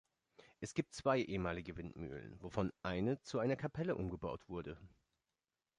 Es gibt zwei ehemalige Windmühlen, wovon eine zu einer Kapelle umgebaut wurde.